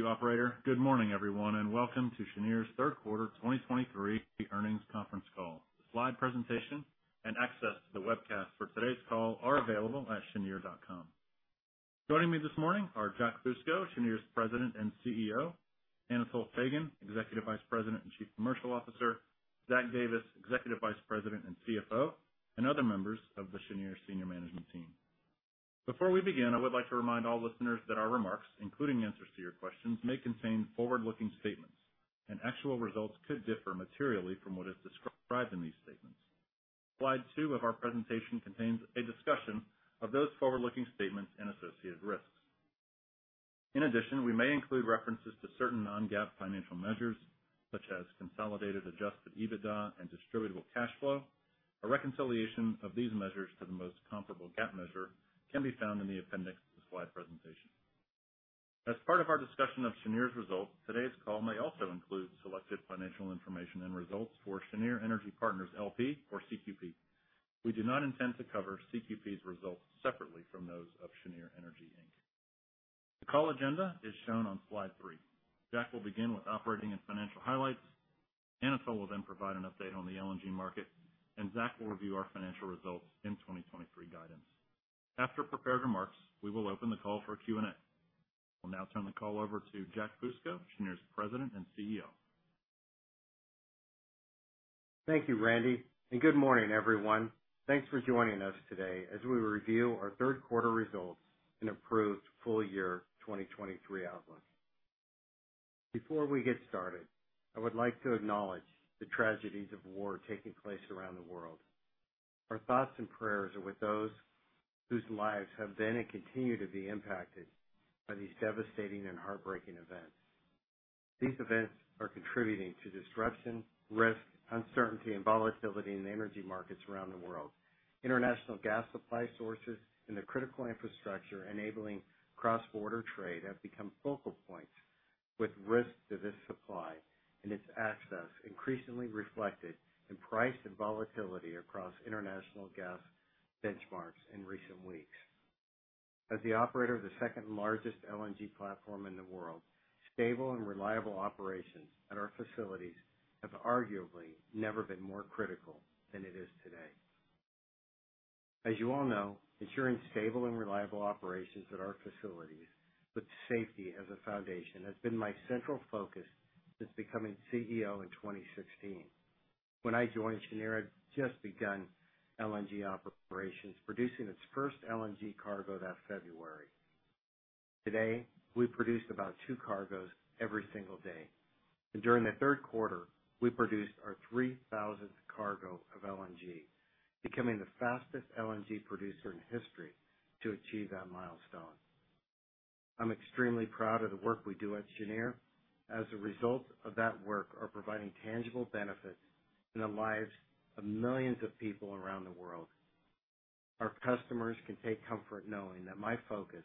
Thank you, operator. Good morning, everyone, and welcome to Cheniere's third quarter 2023 earnings conference call. The slide presentation and access to the webcast for today's call are available at cheniere.com. Joining me this morning are Jack Fusco, Cheniere's President and CEO, Anatol Feygin, Executive Vice President and Chief Commercial Officer, Zach Davis, Executive Vice President and CFO, and other members of the Cheniere senior management team. Before we begin, I would like to remind all listeners that our remarks, including answers to your questions, may contain forward-looking statements, and actual results could differ materially from what is described in these statements. Slide two of our presentation contains a discussion of those forward-looking statements and associated risks. In addition, we may include references to certain non-GAAP financial measures, such as Consolidated Adjusted EBITDA and Distributable Cash Flow. A reconciliation of these measures to the most comparable GAAP measure can be found in the appendix of the slide presentation. As part of our discussion of Cheniere's results, today's call may also include selected financial information and results for Cheniere Energy Partners LP or CQP. We do not intend to cover CQP's results separately from those of Cheniere Energy, Inc. The call agenda is shown on slide 3. Jack will begin with operating and financial highlights. Anatol will then provide an update on the LNG market, and Zach will review our financial results and 2023 guidance. After prepared remarks, we will open the call for Q&A. I will now turn the call over to Jack Fusco, Cheniere's President and CEO. Thank you, Randy, and good morning, everyone. Thanks for joining us today as we review our third quarter results and improved full year 2023 outlook. Before we get started, I would like to acknowledge the tragedies of war taking place around the world. Our thoughts and prayers are with those whose lives have been and continue to be impacted by these devastating and heartbreaking events. These events are contributing to disruption, risk, uncertainty, and volatility in the energy markets around the world. International gas supply sources and the critical infrastructure enabling cross-border trade have become focal points, with risks to this supply and its access increasingly reflected in price and volatility across international gas benchmarks in recent weeks. As the operator of the second-largest LNG platform in the world, stable and reliable operations at our facilities have arguably never been more critical than it is today. As you all know, ensuring stable and reliable operations at our facilities with safety as a foundation, has been my central focus since becoming CEO in 2016. When I joined, Cheniere had just begun LNG operations, producing its first LNG cargo that February. Today, we produce about two cargoes every single day, and during the third quarter, we produced our 3,000th cargo of LNG, becoming the fastest LNG producer in history to achieve that milestone. I'm extremely proud of the work we do at Cheniere. As a result of that work are providing tangible benefits in the lives of millions of people around the world. Our customers can take comfort knowing that my focus,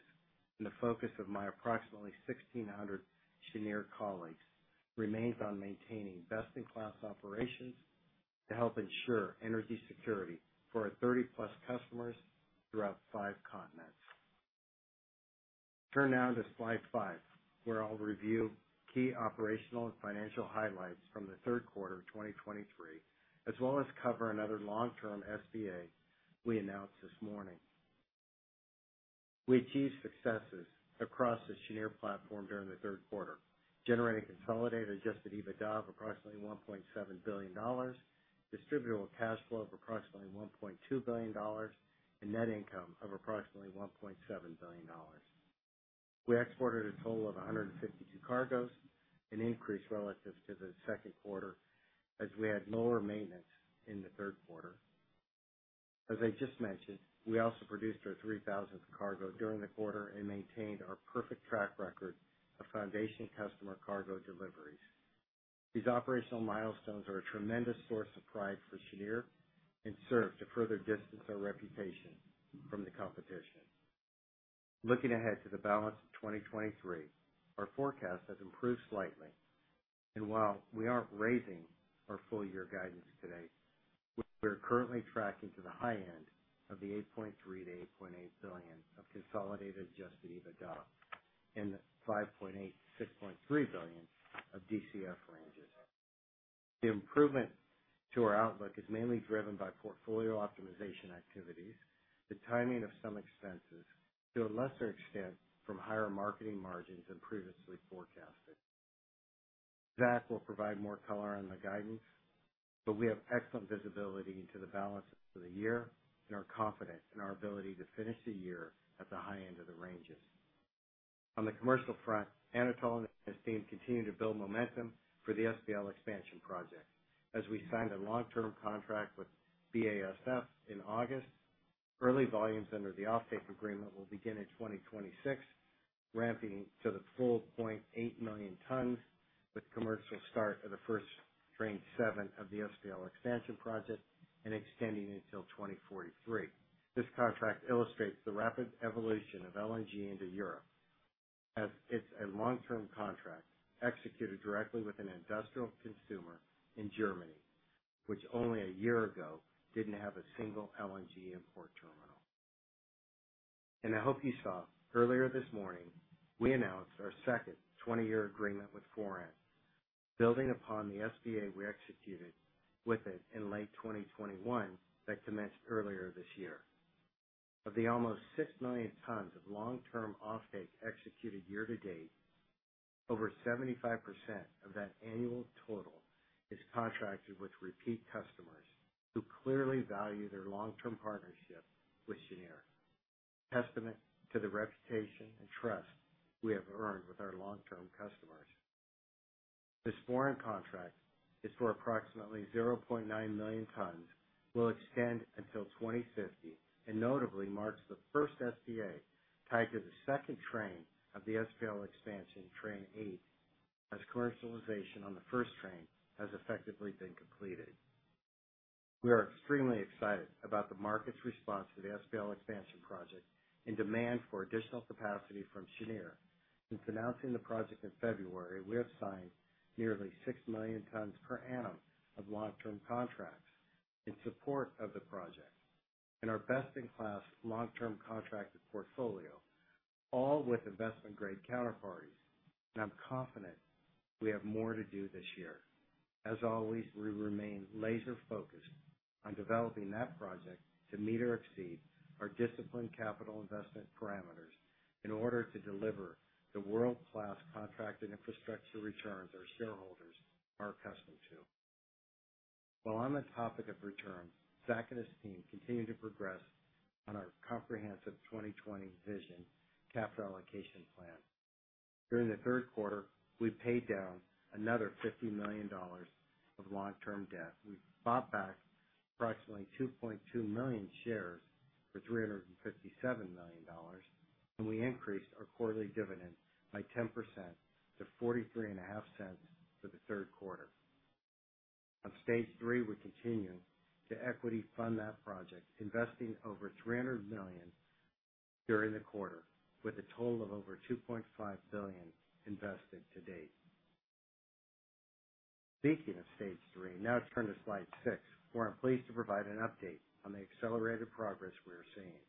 and the focus of my approximately 1,600 Cheniere colleagues, remains on maintaining best-in-class operations to help ensure energy security for our 30+ customers throughout five continents. Turn now to slide 5, where I'll review key operational and financial highlights from the third quarter of 2023, as well as cover another long-term SPA we announced this morning. We achieved successes across the Cheniere platform during the third quarter, generating Consolidated Adjusted EBITDA of approximately $1.7 billion, Distributable Cash Flow of approximately $1.2 billion, and net income of approximately $1.7 billion. We exported a total of 152 cargoes, an increase relative to the second quarter as we had lower maintenance in the third quarter. As I just mentioned, we also produced our 3,000th cargo during the quarter and maintained our perfect track record of foundation customer cargo deliveries. These operational milestones are a tremendous source of pride for Cheniere and serve to further distance our reputation from the competition. Looking ahead to the balance of 2023, our forecast has improved slightly, and while we aren't raising our full year guidance today, we are currently tracking to the high end of the $8.3 billion-$8.8 billion of Consolidated Adjusted EBITDA and the $5.8 billion-$6.3 billion of DCF ranges. The improvement to our outlook is mainly driven by portfolio optimization activities, the timing of some expenses, to a lesser extent, from higher marketing margins than previously forecasted. Zach will provide more color on the guidance, but we have excellent visibility into the balance of the year and are confident in our ability to finish the year at the high end of the ranges. On the commercial front, Anatol and his team continue to build momentum for the SPL Expansion Project. As we signed a long-term contract with BASF in August, early volumes under the offtake agreement will begin in 2026, ramping to the full 0.8 million tons with commercial start of the first Train 7 of the SPL Expansion Project and extending until 2043. This contract illustrates the rapid evolution of LNG into Europe, as it's a long-term contract executed directly with an industrial consumer in Germany, which only a year ago didn't have a single LNG import terminal. I hope you saw earlier this morning, we announced our second 20-year agreement with Foran, building upon the SPA we executed with it in late 2021 that commenced earlier this year. Of the almost 6 million tons of long-term offtake executed year to date, over 75% of that annual total is contracted with repeat customers who clearly value their long-term partnership with Cheniere, testament to the reputation and trust we have earned with our long-term customers. This Foran contract is for approximately 0.9 million tons, will extend until 2050, and notably marks the first SPA tied to the second train of the SPL expansion, Train Eight, as commercialization on the first train has effectively been completed. We are extremely excited about the market's response to the SPL expansion project and demand for additional capacity from Cheniere. Since announcing the project in February, we have signed nearly 6 million tons per annum of long-term contracts in support of the project and our best-in-class long-term contracted portfolio, all with investment-grade counterparties, and I'm confident we have more to do this year. As always, we remain laser-focused on developing that project to meet or exceed our disciplined capital investment parameters in order to deliver the world-class contracted infrastructure returns our shareholders are accustomed to. While on the topic of returns, Zach and his team continue to progress on our comprehensive 20/20 Vision capital allocation plan. During the third quarter, we paid down another $50 million of long-term debt. We bought back approximately 2.2 million shares for $357 million, and we increased our quarterly dividend by 10% to $0.435 for the third quarter. On Stage 3, we continue to equity fund that project, investing over $300 million during the quarter with a total of over $2.5 billion invested to date. Speaking of Stage 3, now turn to slide 6, where I'm pleased to provide an update on the accelerated progress we are seeing.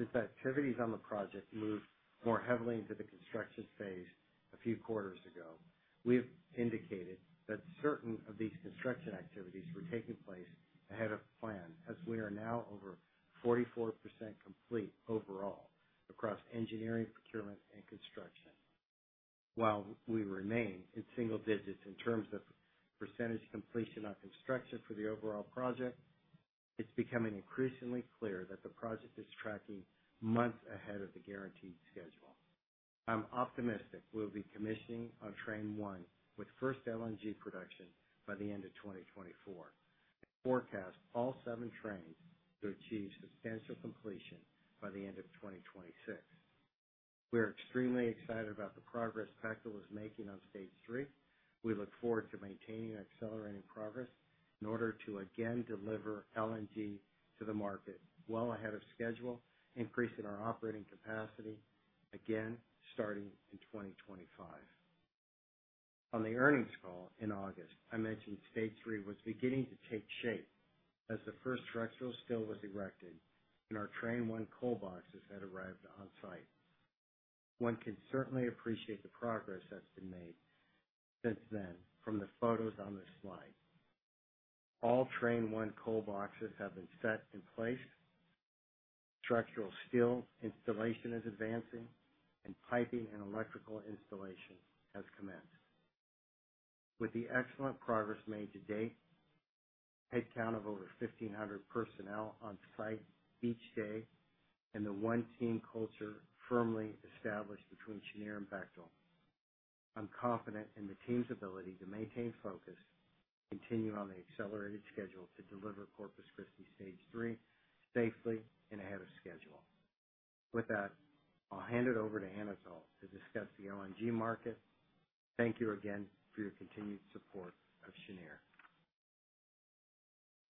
Since activities on the project moved more heavily into the construction phase a few quarters ago, we've indicated that certain of these construction activities were taking place ahead of plan, as we are now over 44% complete overall across engineering, procurement, and construction. While we remain in single digits in terms of percentage completion on construction for the overall project, it's becoming increasingly clear that the project is tracking months ahead of the guaranteed schedule. I'm optimistic we'll be commissioning on Train 1 with first LNG production by the end of 2024, and forecast all seven trains to achieve substantial completion by the end of 2026. We are extremely excited about the progress Bechtel is making on Stage 3. We look forward to maintaining and accelerating progress in order to again deliver LNG to the market well ahead of schedule, increasing our operating capacity again, starting in 2025. On the earnings call in August, I mentioned Stage 3 was beginning to take shape as the first structural steel was erected and our Train 1 cold boxes had arrived on site. One can certainly appreciate the progress that's been made since then from the photos on this slide. All Train 1 cold boxes have been set in place, structural steel installation is advancing, and piping and electrical installation has commenced. With the excellent progress made to date, headcount of over 1,500 personnel on site each day, and the one-team culture firmly established between Cheniere and Bechtel, I'm confident in the team's ability to maintain focus, continue on the accelerated schedule to deliver Corpus Christi Stage 3 safely and ahead of schedule. With that, I'll hand it over to Anatol to discuss the LNG market. Thank you again for your continued support of Cheniere.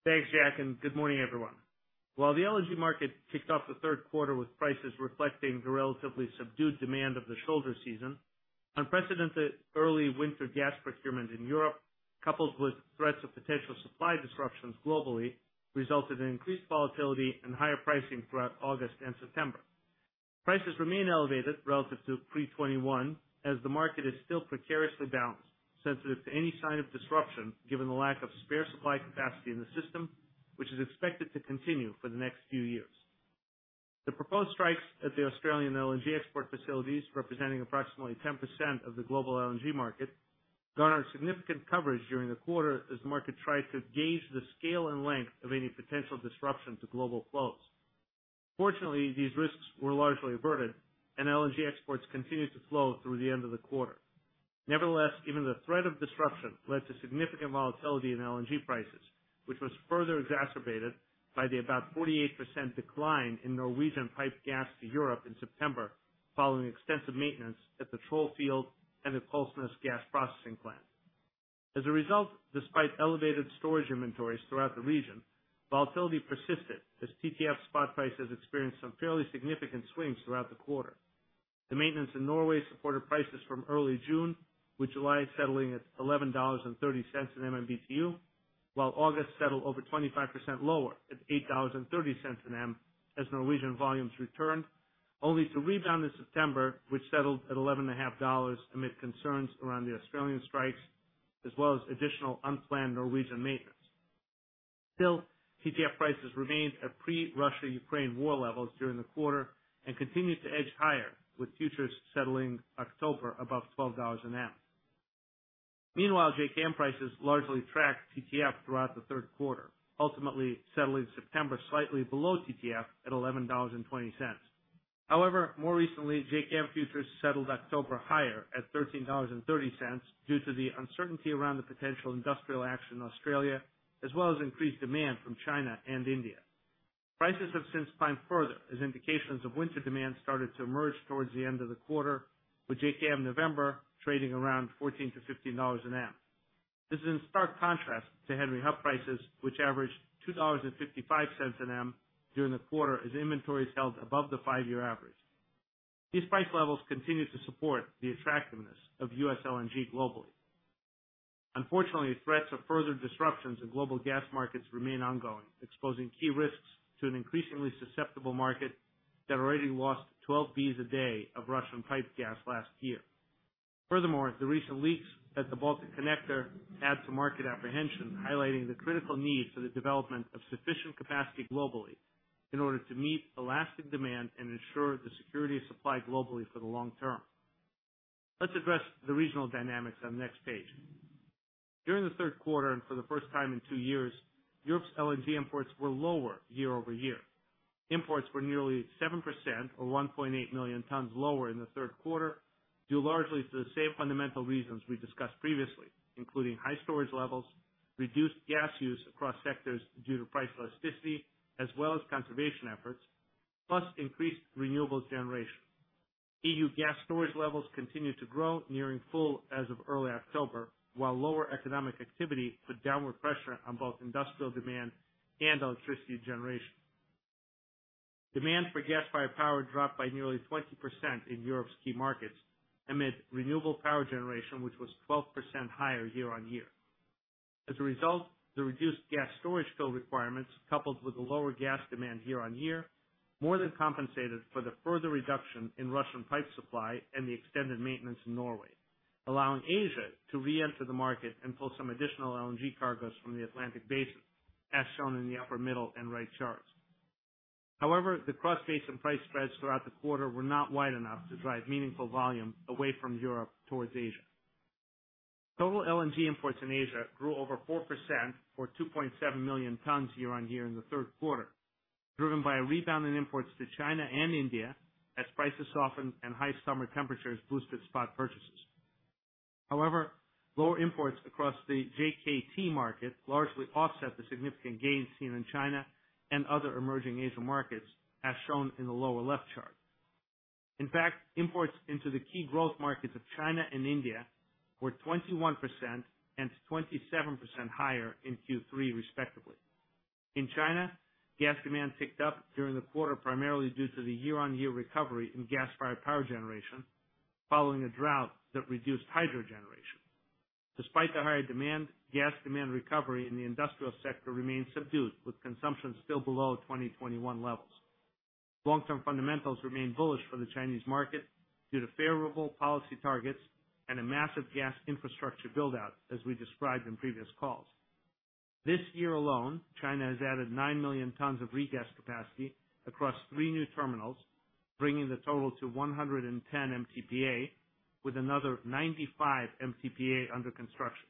Thanks, Jack, and good morning, everyone. While the LNG market kicked off the third quarter with prices reflecting the relatively subdued demand of the shoulder season, unprecedented early winter gas procurement in Europe, coupled with threats of potential supply disruptions globally, resulted in increased volatility and higher pricing throughout August and September. Prices remain elevated relative to pre-2021, as the market is still precariously balanced, sensitive to any sign of disruption, given the lack of spare supply capacity in the system, which is expected to continue for the next few years. The proposed strikes at the Australian LNG export facilities, representing approximately 10% of the global LNG market, garnered significant coverage during the quarter as market tried to gauge the scale and length of any potential disruption to global flows. Fortunately, these risks were largely averted, and LNG exports continued to flow through the end of the quarter. Nevertheless, even the threat of disruption led to significant volatility in LNG prices, which was further exacerbated by the about 48% decline in Norwegian pipe gas to Europe in September, following extensive maintenance at the Troll field and the Kollsnes gas processing plant. As a result, despite elevated storage inventories throughout the region, volatility persisted as TTF spot prices experienced some fairly significant swings throughout the quarter. The maintenance in Norway supported prices from early June, with July settling at $11.30/MMBtu, while August settled over 25% lower at $8.30 an MM, as Norwegian volumes returned, only to rebound in September, which settled at $11.50 amid concerns around the Australian strikes, as well as additional unplanned Norwegian maintenance. Still, TTF prices remained at pre-Russia-Ukraine war levels during the quarter and continued to edge higher, with futures settling October above $12/MMBtu. Meanwhile, JKM prices largely tracked TTF throughout the third quarter, ultimately settling September slightly below TTF at $11.20. However, more recently, JKM futures settled October higher at $13.30 due to the uncertainty around the potential industrial action in Australia, as well as increased demand from China and India. Prices have since climbed further as indications of winter demand started to emerge towards the end of the quarter, with JKM November trading around $14-$15/MMBtu. This is in stark contrast to Henry Hub prices, which averaged $2.55/MMBtu during the quarter, as inventories held above the five-year average. These price levels continue to support the attractiveness of U.S. LNG globally. Unfortunately, threats of further disruptions in global gas markets remain ongoing, exposing key risks to an increasingly susceptible market that already lost 12 Bcf a day of Russian pipe gas last year. Furthermore, the recent leaks at the Balticconnector add to market apprehension, highlighting the critical need for the development of sufficient capacity globally in order to meet elastic demand and ensure the security of supply globally for the long term. Let's address the regional dynamics on the next page. During the third quarter, and for the first time in 2 years, Europe's LNG imports were lower year-over-year. Imports were nearly 7%, or 1.8 million tons lower in the third quarter, due largely to the same fundamental reasons we discussed previously, including high storage levels, reduced gas use across sectors due to price elasticity, as well as conservation efforts, plus increased renewables generation. EU gas storage levels continued to grow, nearing full as of early October, while lower economic activity put downward pressure on both industrial demand and electricity generation. Demand for gas-fired power dropped by nearly 20% in Europe's key markets amid renewable power generation, which was 12% higher year-over-year. As a result, the reduced gas storage fill requirements, coupled with the lower gas demand year-on-year, more than compensated for the further reduction in Russian pipe supply and the extended maintenance in Norway, allowing Asia to reenter the market and pull some additional LNG cargos from the Atlantic Basin, as shown in the upper middle and right charts. However, the cross-basin price spreads throughout the quarter were not wide enough to drive meaningful volume away from Europe towards Asia. Total LNG imports in Asia grew over 4%, or 2.7 million tons year-on-year in the third quarter, driven by a rebound in imports to China and India as prices softened and high summer temperatures boosted spot purchases. However, lower imports across the JKT market largely offset the significant gains seen in China and other emerging Asian markets, as shown in the lower left chart. In fact, imports into the key growth markets of China and India were 21% and 27% higher in Q3, respectively. In China, gas demand picked up during the quarter, primarily due to the year-on-year recovery in gas-fired power generation, following a drought that reduced hydro generation. Despite the higher demand, gas demand recovery in the industrial sector remains subdued, with consumption still below 2021 levels. Long-term fundamentals remain bullish for the Chinese market due to favorable policy targets and a massive gas infrastructure build-out, as we described in previous calls. This year alone, China has added 9 million tons of regas capacity across three new terminals, bringing the total to 110 mtpa, with another 95 mtpa under construction.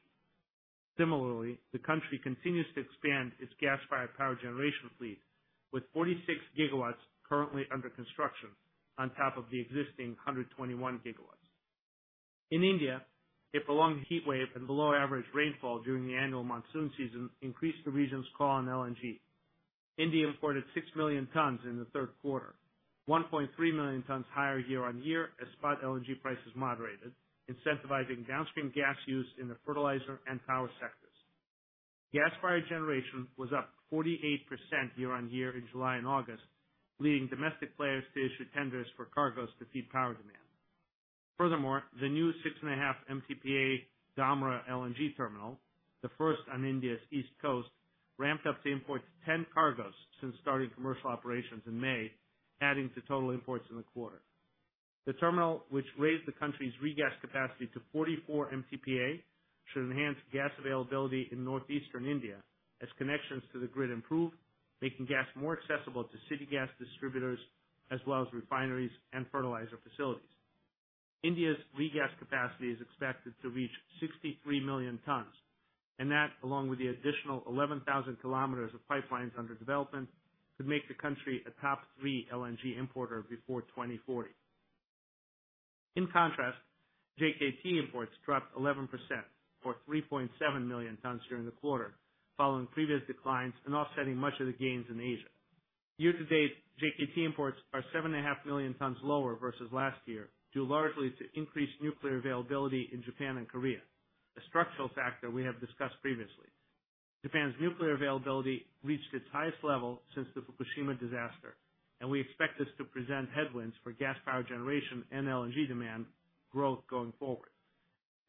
Similarly, the country continues to expand its gas-fired power generation fleet, with 46 gigawatts currently under construction, on top of the existing 121 gigawatts. In India, a prolonged heatwave and below-average rainfall during the annual monsoon season increased the region's call on LNG. India imported 6 million tons in the third quarter, 1.3 million tons higher year-over-year, as spot LNG prices moderated, incentivizing downstream gas use in the fertilizer and power sectors. Gas-fired generation was up 48% year-over-year in July and August, leading domestic players to issue tenders for cargoes to feed power demand. Furthermore, the new 6.5 mtpa Dhamra LNG terminal, the first on India's east coast, ramped up to import 10 cargoes since starting commercial operations in May, adding to total imports in the quarter. The terminal, which raised the country's regas capacity to 44 mtpa, should enhance gas availability in northeastern India as connections to the grid improve, making gas more accessible to city gas distributors, as well as refineries and fertilizer facilities. India's regas capacity is expected to reach 63 million tons, and that, along with the additional 11,000 kilometers of pipelines under development, could make the country a top three LNG importer before 2040. In contrast, JKT imports dropped 11% for 3.7 million tons during the quarter, following previous declines and offsetting much of the gains in Asia. Year to date, JKT imports are 7.5 million tons lower versus last year, due largely to increased nuclear availability in Japan and Korea, a structural factor we have discussed previously. Japan's nuclear availability reached its highest level since the Fukushima disaster, and we expect this to present headwinds for gas power generation and LNG demand growth going forward.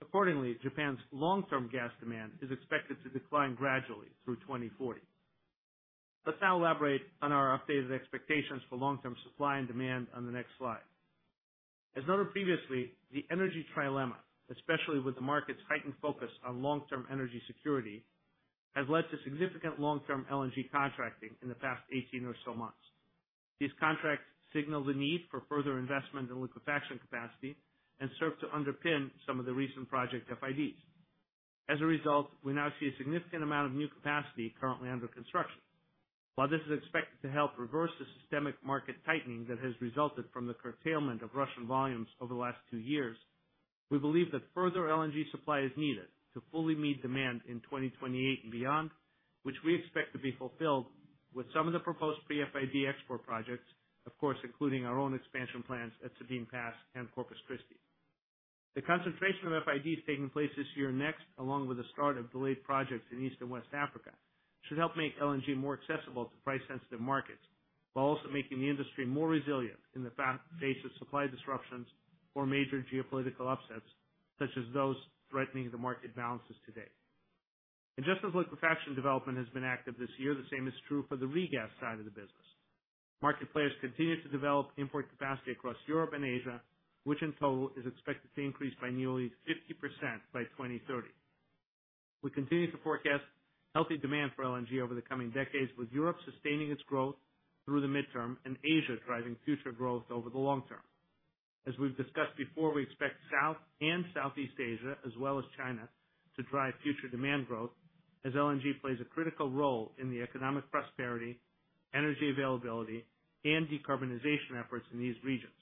Accordingly, Japan's long-term gas demand is expected to decline gradually through 2040. Let's now elaborate on our updated expectations for long-term supply and demand on the next slide. As noted previously, the energy trilemma, especially with the market's heightened focus on long-term energy security, has led to significant long-term LNG contracting in the past 18 or so months. These contracts signal the need for further investment in liquefaction capacity and serve to underpin some of the recent project FIDs. As a result, we now see a significant amount of new capacity currently under construction. While this is expected to help reverse the systemic market tightening that has resulted from the curtailment of Russian volumes over the last two years, we believe that further LNG supply is needed to fully meet demand in 2028 and beyond, which we expect to be fulfilled with some of the proposed pre-FID export projects, of course, including our own expansion plans at Sabine Pass and Corpus Christi. The concentration of FIDs taking place this year and next, along with the start of delayed projects in East and West Africa, should help make LNG more accessible to price-sensitive markets, while also making the industry more resilient in the face of supply disruptions or major geopolitical upsets, such as those threatening the market balances today. And just as liquefaction development has been active this year, the same is true for the regas side of the business. Market players continue to develop import capacity across Europe and Asia, which in total is expected to increase by nearly 50% by 2030. We continue to forecast healthy demand for LNG over the coming decades, with Europe sustaining its growth through the midterm and Asia driving future growth over the long term. As we've discussed before, we expect South and Southeast Asia, as well as China, to drive future demand growth, as LNG plays a critical role in the economic prosperity, energy availability, and decarbonization efforts in these regions.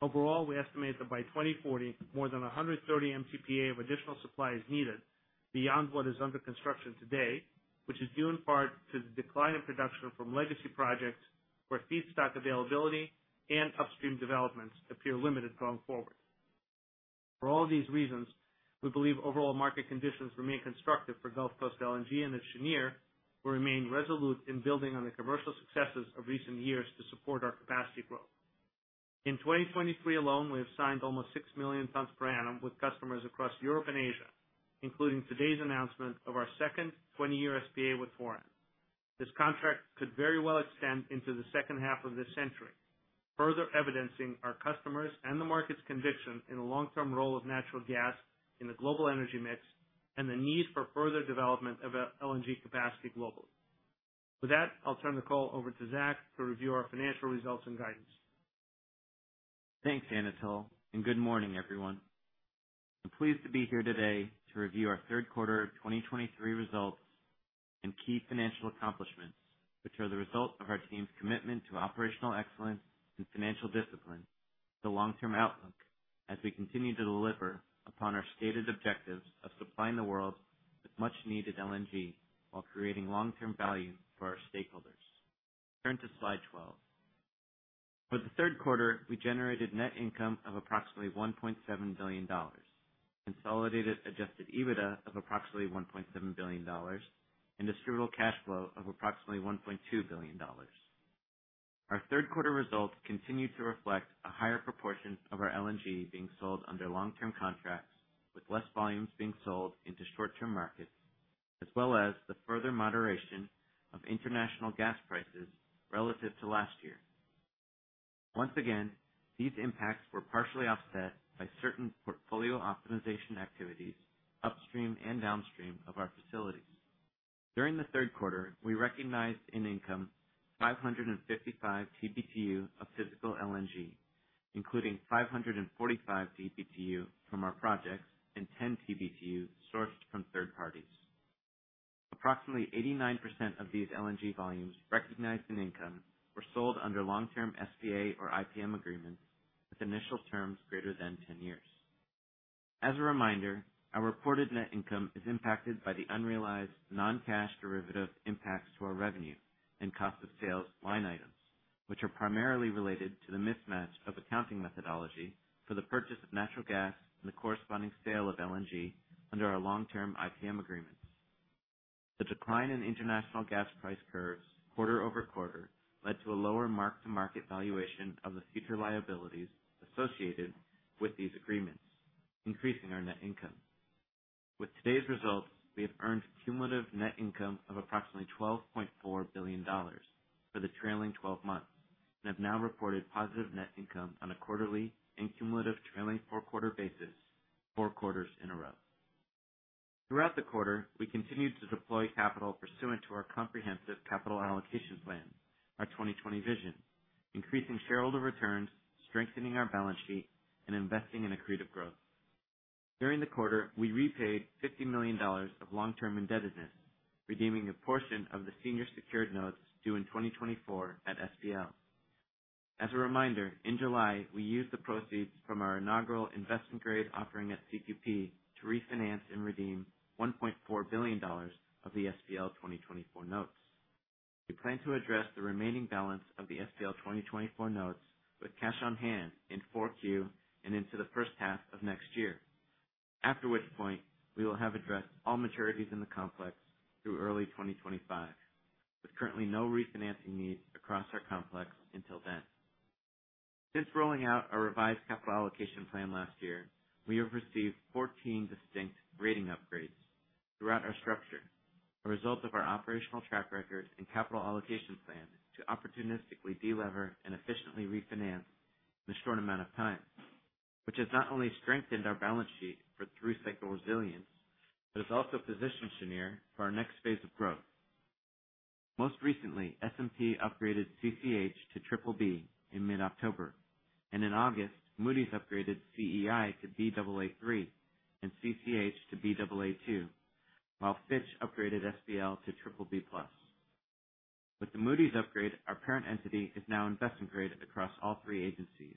Overall, we estimate that by 2040, more than 130 mtpa of additional supply is needed beyond what is under construction today, which is due in part to the decline in production from legacy projects, where feedstock availability and upstream developments appear limited going forward. For all these reasons, we believe overall market conditions remain constructive for Gulf Coast LNG and Cheniere, will remain resolute in building on the commercial successes of recent years to support our capacity growth. In 2023 alone, we have signed almost 6 million tons per annum with customers across Europe and Asia, including today's announcement of our second 20-year SPA with Foran. This contract could very well extend into the second half of this century, further evidencing our customers and the market's conviction in the long-term role of natural gas in the global energy mix and the need for further development of LNG capacity globally. With that, I'll turn the call over to Zach to review our financial results and guidance. Thanks, Anatol, and good morning, everyone. I'm pleased to be here today to review our third quarter of 2023 results and key financial accomplishments, which are the result of our team's commitment to operational excellence and financial discipline, the long-term outlook, as we continue to deliver upon our stated objectives of supplying the world with much-needed LNG while creating long-term value for our stakeholders. Turn to slide 12. For the third quarter, we generated net income of approximately $1.7 billion, consolidated adjusted EBITDA of approximately $1.7 billion, and distributable cash flow of approximately $1.2 billion. Our third quarter results continued to reflect a higher proportion of our LNG being sold under long-term contracts, with less volumes being sold into short-term markets, as well as the further moderation of international gas prices relative to last year. Once again, these impacts were partially offset by certain portfolio optimization activities, upstream and downstream of our facilities. During the third quarter, we recognized in income 555 TBtu of physical LNG, including 545 TBtu from our projects and 10 TBtu sourced from third parties. Approximately 89% of these LNG volumes recognized in income were sold under long-term SPA or IPM agreements, with initial terms greater than 10 years. As a reminder, our reported net income is impacted by the unrealized non-cash derivative impacts to our revenue and cost of sales line items, which are primarily related to the mismatch of accounting methodology for the purchase of natural gas and the corresponding sale of LNG under our long-term IPM agreements. The decline in international gas price curves quarter-over-quarter, led to a lower mark-to-market valuation of the future liabilities associated with these agreements, increasing our net income. With today's results, we have earned cumulative net income of approximately $12.4 billion for the trailing twelve months and have now reported positive net income on a quarterly and cumulative trailing four-quarter basis, four quarters in a row. Throughout the quarter, we continued to deploy capital pursuant to our comprehensive capital allocation plan, our 20/20 Vision, increasing shareholder returns, strengthening our balance sheet, and investing in accretive growth. During the quarter, we repaid $50 million of long-term indebtedness, redeeming a portion of the senior secured notes due in 2024 at SPL. As a reminder, in July, we used the proceeds from our inaugural investment grade offering at CQP to refinance and redeem $1.4 billion of the SPL 2024 notes. We plan to address the remaining balance of the SPL 2024 notes with cash on hand in 4Q and into the first half of next year. After which point, we will have addressed all maturities in the complex through early 2025, with currently no refinancing needs across our complex until then. Since rolling out our revised capital allocation plan last year, we have received 14 distinct rating upgrades throughout our structure, a result of our operational track record and capital allocation plan to opportunistically delever and efficiently refinance in a short amount of time. Which has not only strengthened our balance sheet for through-cycle resilience, but has also positioned Cheniere for our next phase of growth. Most recently, S&P upgraded CCH to BBB in mid-October, and in August, Moody's upgraded CEI to Baa3 and CCH to Baa2, while Fitch upgraded SPL to BBB+. With the Moody's upgrade, our parent entity is now investment grade across all three agencies,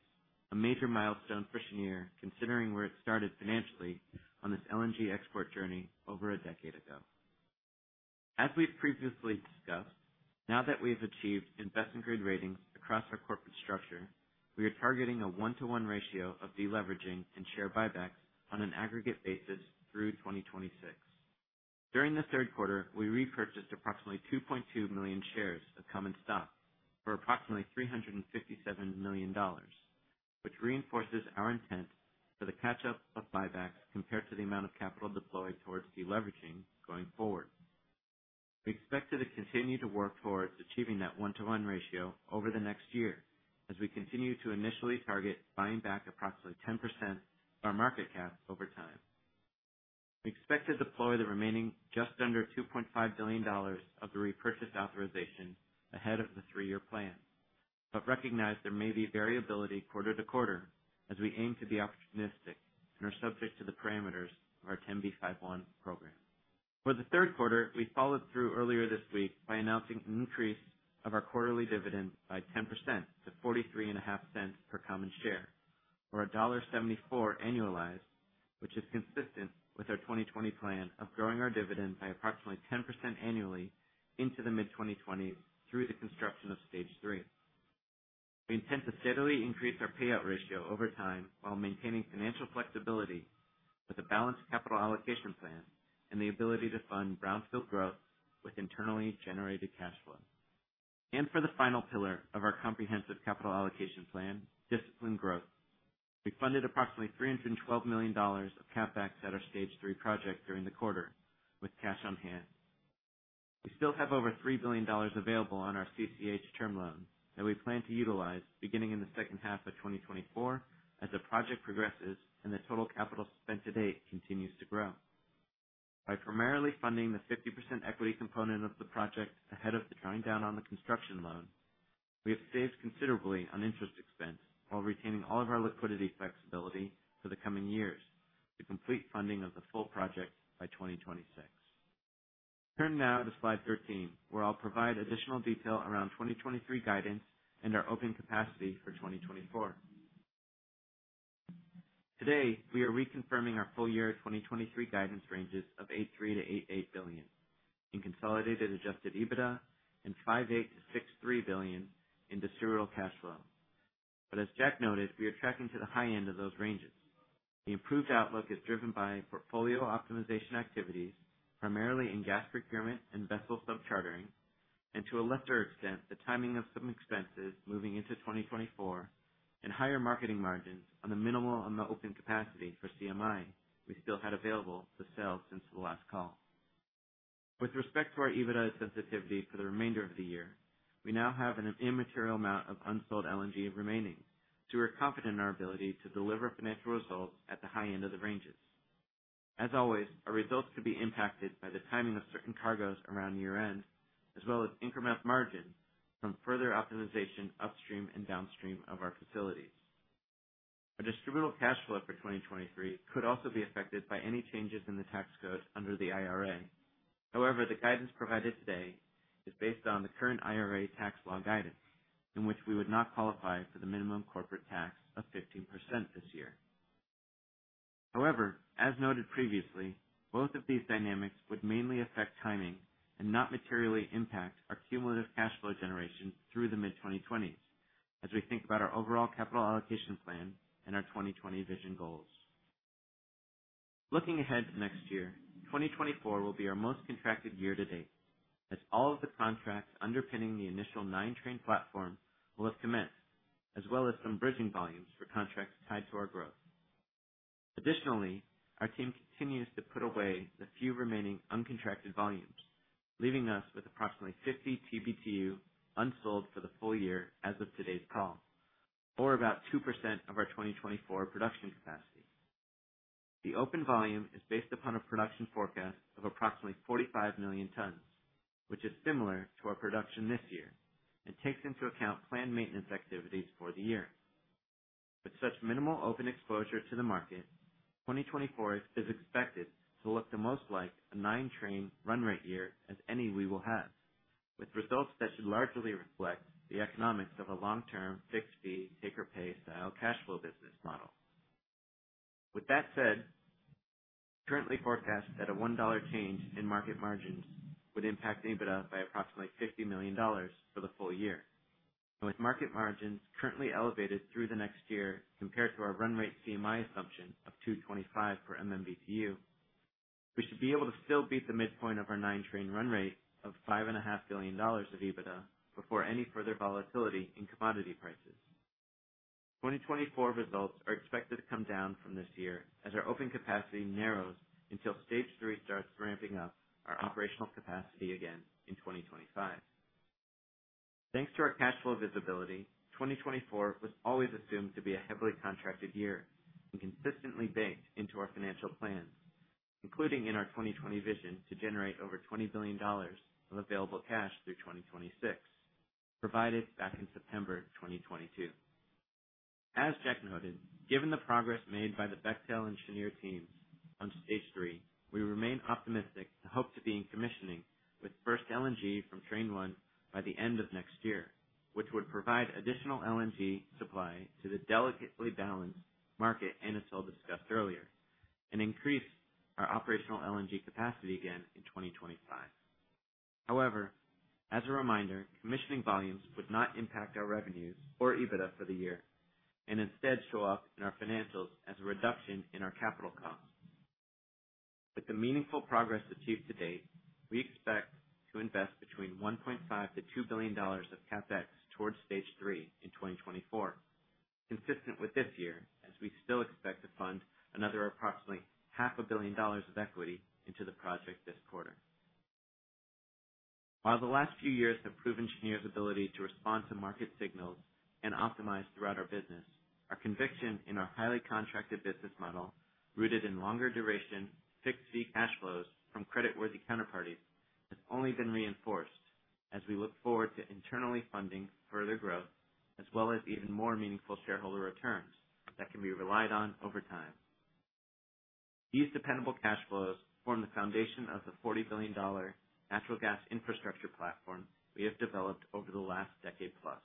a major milestone for Cheniere, considering where it started financially on this LNG export journey over a decade ago. As we've previously discussed, now that we've achieved investment grade ratings across our corporate structure, we are targeting a one-to-one ratio of deleveraging and share buybacks on an aggregate basis through 2026. During the third quarter, we repurchased approximately 2.2 million shares of common stock for approximately $357 million, which reinforces our intent for the catch-up of buybacks compared to the amount of capital deployed towards deleveraging going forward. We expect to continue to work towards achieving that one-to-one ratio over the next year as we continue to initially target buying back approximately 10% of our market cap over time. We expect to deploy the remaining just under $2.5 billion of the repurchase authorization ahead of the three-year plan, but recognize there may be variability quarter to quarter as we aim to be opportunistic and are subject to the parameters of our 10b5-1 program. For the third quarter, we followed through earlier this week by announcing an increase of our quarterly dividend by 10% to $0.435 per common share, or $1.74 annualized, which is consistent with our 2020 plan of growing our dividend by approximately 10% annually into the mid-2020s through the construction of Stage 3. We intend to steadily increase our payout ratio over time while maintaining financial flexibility with a balanced capital allocation plan and the ability to fund brownfield growth with internally generated cash flow. For the final pillar of our comprehensive capital allocation plan, disciplined growth. We funded approximately $312 million of CapEx at our Stage 3 project during the quarter with cash on hand. We still have over $3 billion available on our CCH term loan that we plan to utilize beginning in the second half of 2024 as the project progresses and the total capital spent to date continues to grow. By primarily funding the 50% equity component of the project ahead of the drawing down on the construction loan, we have saved considerably on interest expense while retaining all of our liquidity flexibility for the coming years to complete funding of the full project by 2026. Turn now to slide 13, where I'll provide additional detail around 2023 guidance and our open capacity for 2024. Today, we are reconfirming our full year 2023 guidance ranges of $8.3 billion-$8.8 billion in Consolidated Adjusted EBITDA and $5.8 billion-$6.3 billion in distributable cash flow. But as Jack noted, we are tracking to the high end of those ranges. The improved outlook is driven by portfolio optimization activities, primarily in gas procurement and vessel sub-chartering, and to a lesser extent, the timing of some expenses moving into 2024 and higher marketing margins on the minimal on the open capacity for CMI we still had available for sale since the last call. With respect to our EBITDA sensitivity for the remainder of the year, we now have an immaterial amount of unsold LNG remaining, so we're confident in our ability to deliver financial results at the high end of the ranges. As always, our results could be impacted by the timing of certain cargoes around year-end, as well as incremental margins from further optimization upstream and downstream of our facilities. Our distributable cash flow for 2023 could also be affected by any changes in the tax code under the IRA. However, the guidance provided today is based on the current IRA tax law guidance, in which we would not qualify for the minimum corporate tax of 15% this year. However, as noted previously, both of these dynamics would mainly affect timing and not materially impact our cumulative cash flow generation through the mid-2020s as we think about our overall capital allocation plan and our 20/20 Vision goals. Looking ahead to next year, 2024 will be our most contracted year to date, as all of the contracts underpinning the initial 9-train platform will have commenced, as well as some bridging volumes for contracts tied to our growth. Additionally, our team continues to put away the few remaining uncontracted volumes, leaving us with approximately 50 TBtu unsold for the full year as of today's call, or about 2% of our 2024 production capacity. The open volume is based upon a production forecast of approximately 45 million tons, which is similar to our production this year and takes into account planned maintenance activities for the year. With such minimal open exposure to the market, 2024 is expected to look the most like a 9-train run rate year as any we will have, with results that should largely reflect the economics of a long-term fixed fee take-or-pay style cash flow business model. With that said, currently forecast that a $1 change in market margins would impact EBITDA by approximately $50 million for the full year. With market margins currently elevated through the next year compared to our run rate CMI assumption of 2.25 per MMBtu, we should be able to still beat the midpoint of our 9-train run rate of $5.5 billion of EBITDA before any further volatility in commodity prices. 2024 results are expected to come down from this year as our open capacity narrows until Stage 3 starts ramping up our operational capacity again in 2025. Thanks to our cash flow visibility, 2024 was always assumed to be a heavily contracted year and consistently baked into our financial plans, including in our 20/20 Vision to generate over $20 billion of available cash through 2026, provided back in September 2022. As Jack noted, given the progress made by the Bechtel and Cheniere teams on Stage 3, we remain optimistic and hope to be in commissioning with first LNG from Train 1 by the end of next year, which would provide additional LNG supply to the delicately balanced market Anatol discussed earlier and increase our operational LNG capacity again in 2025. However, as a reminder, commissioning volumes would not impact our revenues or EBITDA for the year and instead show up in our financials as a reduction in our capital costs. With the meaningful progress achieved to date, we expect to invest between $1.5 billion-$2 billion of CapEx towards Stage 3 in 2024, consistent with this year, as we still expect to fund another approximately $500 million of equity into the project this quarter. While the last few years have proven Cheniere's ability to respond to market signals and optimize throughout our business, our conviction in our highly contracted business model, rooted in longer duration, fixed fee cash flows from creditworthy counterparties, has only been reinforced as we look forward to internally funding further growth, as well as even more meaningful shareholder returns that can be relied on over time. These dependable cash flows form the foundation of the $40 billion natural gas infrastructure platform we have developed over the last decade plus.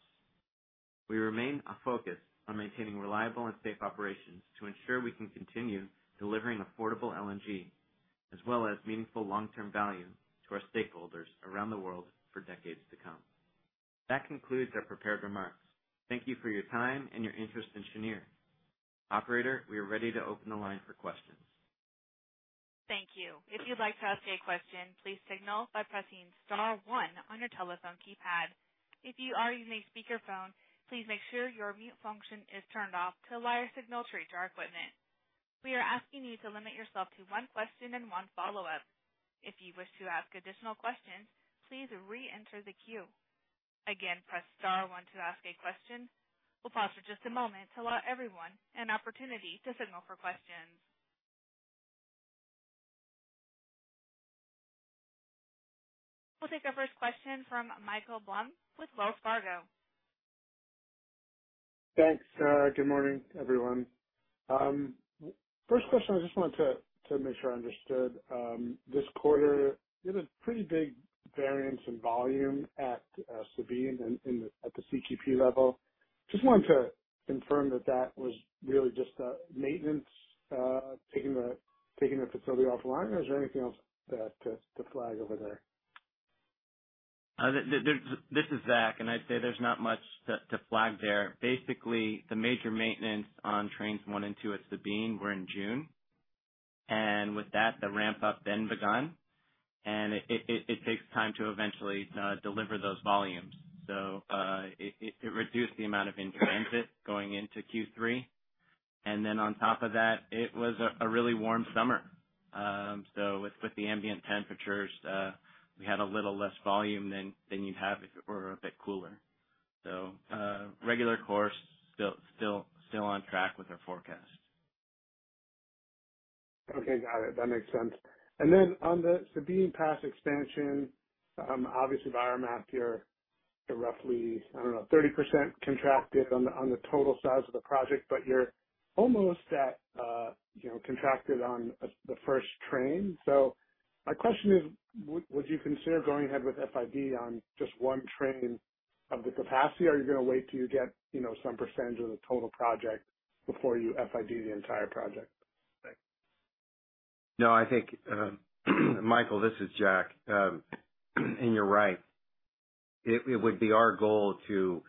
We remain a focus on maintaining reliable and safe operations to ensure we can continue delivering affordable LNG as well as meaningful long-term value to our stakeholders around the world for decades to come. That concludes our prepared remarks. Thank you for your time and your interest in Cheniere. Operator, we are ready to open the line for questions. Thank you. If you'd like to ask a question, please signal by pressing star one on your telephone keypad. If you are using a speakerphone, please make sure your mute function is turned off to allow your signal to reach our equipment. We are asking you to limit yourself to one question and one follow-up. If you wish to ask additional questions, please reenter the queue. Again, press star one to ask a question. We'll pause for just a moment to allow everyone an opportunity to signal for questions. We'll take our first question from Michael Blum with Wells Fargo. Thanks, good morning, everyone. First question, I just wanted to make sure I understood. This quarter you had a pretty big variance in volume at Sabine and at the CQP level. Just wanted to confirm that that was really just a maintenance taking the facility off the line, or is there anything else to flag over there? There's... This is Zach, and I'd say there's not much to flag there. Basically, the major maintenance on Trains 1 and 2 at Sabine were in June, and with that, the ramp up then begun, and it takes time to eventually deliver those volumes. So, it reduced the amount of in transit going into Q3. And then on top of that, it was a really warm summer. So with the ambient temperatures, we had a little less volume than you'd have if it were a bit cooler. So, regular course, still on track with our forecast. Okay, got it. That makes sense. And then on the Sabine Pass expansion, obviously by our math here, you're roughly, I don't know, 30% contracted on the, on the total size of the project, but you're almost at, you know, contracted on the first train. So my question is: Would you consider going ahead with FID on just one train of the capacity, or are you going to wait till you get, you know, some percentage of the total project before you FID the entire project? Thanks. No, I think, Michael, this is Jack. And you're right. It would be our goal to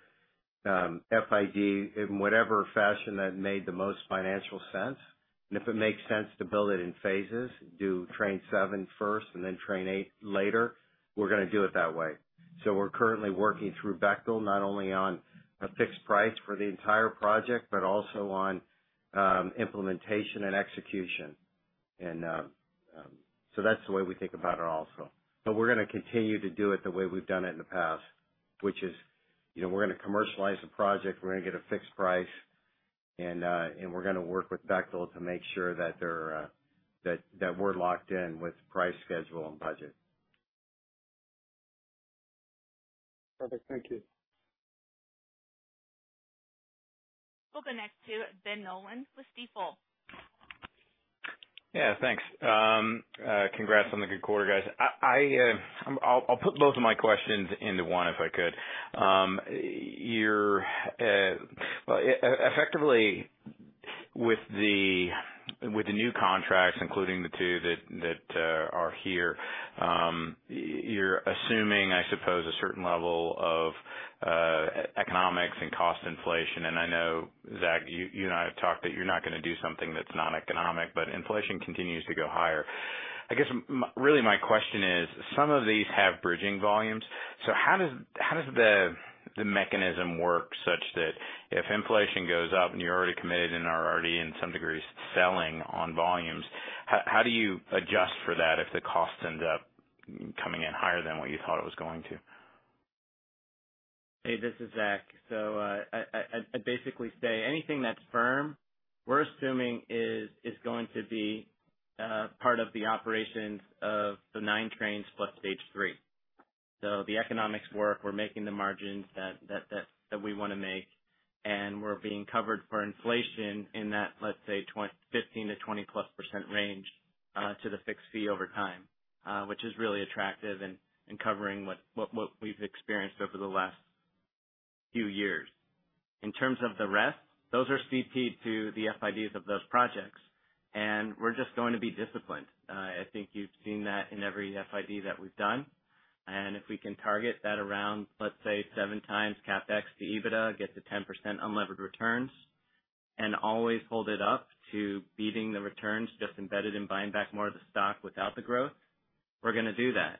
FID in whatever fashion that made the most financial sense. And if it makes sense to build it in phases, do train seven first and then train eight later, we're gonna do it that way. So we're currently working through Bechtel, not only on a fixed price for the entire project, but also on implementation and execution. And so that's the way we think about it also. But we're gonna continue to do it the way we've done it in the past, which is, you know, we're gonna commercialize the project, we're gonna get a fixed price, and we're gonna work with Bechtel to make sure that we're locked in with price, schedule, and budget. Perfect. Thank you. We'll connect to Ben Nolan with Stifel. .Yeah, thanks. Congrats on the good quarter, guys. I'll put both of my questions into one, if I could. Effectively, with the new contracts, including the two that are here, you're assuming, I suppose, a certain level of economics and cost inflation. And I know, Zach, you and I have talked that you're not going to do something that's not economic, but inflation continues to go higher. I guess really my question is, some of these have bridging volumes, so how does the mechanism work such that if inflation goes up and you're already committed and are already in some degrees selling on volumes, how do you adjust for that if the cost ends up coming in higher than what you thought it was going to? Hey, this is Zach. I basically say anything that's firm, we're assuming is going to be part of the operations of the nine trains plus Stage 3. The economics work, we're making the margins that we want to make, and we're being covered for inflation in that 15%-20% range to the fixed fee over time, which is really attractive and covering what we've experienced over the last few years. In terms of the rest, those are CP to the FIDs of those projects, and we're just going to be disciplined. I think you've seen that in every FID that we've done. And if we can target that around, let's say 7x CapEx to EBITDA, get to 10% unlevered returns and always hold it up to beating the returns, just embedded in buying back more of the stock without the growth, we're going to do that.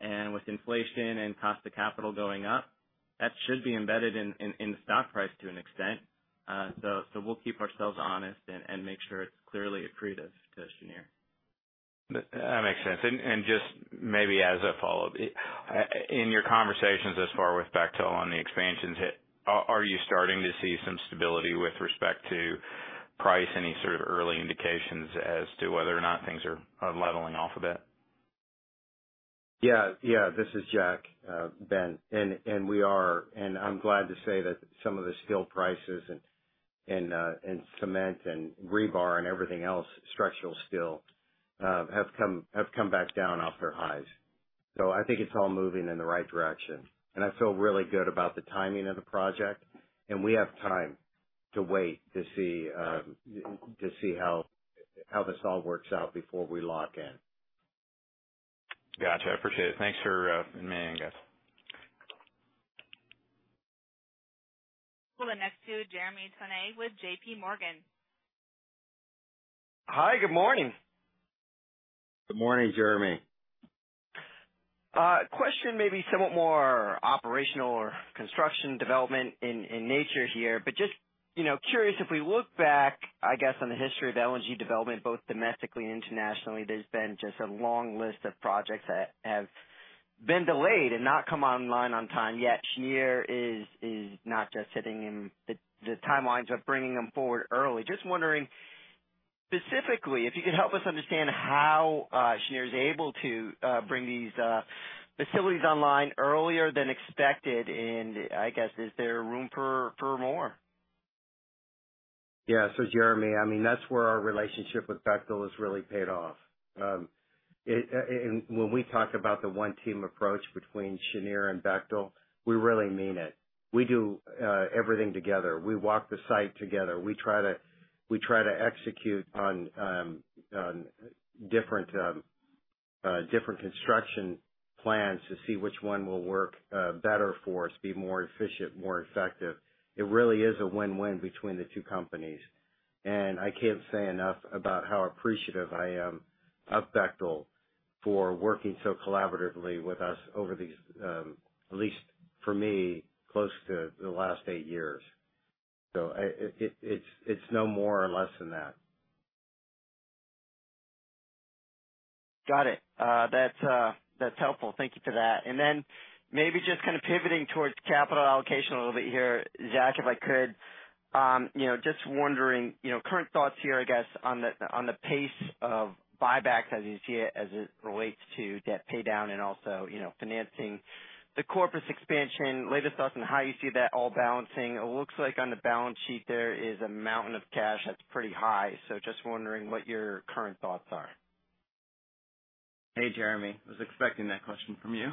And with inflation and cost of capital going up, that should be embedded in the stock price to an extent. So we'll keep ourselves honest and make sure it's clearly accretive to Cheniere. That makes sense. And just maybe as a follow-up, in your conversations thus far with Bechtel on the expansions, are you starting to see some stability with respect to price? Any sort of early indications as to whether or not things are leveling off a bit? Yeah, yeah. This is Jack, Ben, and we are. I'm glad to say that some of the steel prices and cement and rebar and everything else, structural steel, have come back down off their highs. So I think it's all moving in the right direction, and I feel really good about the timing of the project, and we have time to wait to see how this all works out before we lock in. Gotcha. I appreciate it. Thanks for inviting me in, guys. We'll go next to Jeremy Tonet with JPMorgan. Hi, good morning. Good morning, Jeremy. Question may be somewhat more operational or construction development in nature here, but just, you know, curious, if we look back, I guess, on the history of LNG development, both domestically and internationally, there's been just a long list of projects that have been delayed and not come online on time, yet Cheniere is not just sitting in. The timelines are bringing them forward early. Just wondering specifically, if you could help us understand how Cheniere is able to bring these facilities online earlier than expected, and I guess is there room for more? Yeah. So Jeremy, I mean, that's where our relationship with Bechtel has really paid off. And when we talk about the one team approach between Cheniere and Bechtel, we really mean it. We do everything together. We walk the site together. We try to execute on different construction plans to see which one will work better for us, be more efficient, more effective. It really is a win-win between the two companies, and I can't say enough about how appreciative I am of Bechtel for working so collaboratively with us over these, at least for me, close to the last eight years. So it's no more or less than that. Got it. That's helpful. Thank you for that. And then maybe just kind of pivoting towards capital allocation a little bit here, Zach, if I could. You know, just wondering, you know, current thoughts here, I guess, on the pace of buybacks as you see it, as it relates to debt paydown and also, you know, financing the Corpus expansion. Latest thoughts on how you see that all balancing. It looks like on the balance sheet there is a mountain of cash that's pretty high. So just wondering what your current thoughts are. Hey, Jeremy, I was expecting that question from you.